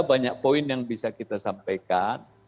banyak poin yang bisa kita sampaikan